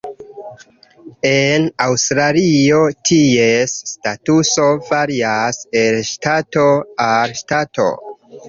En Aŭstralio, ties statuso varias el ŝtato al ŝtato.